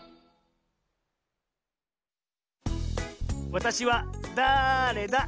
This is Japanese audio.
「わたしはだれだ？」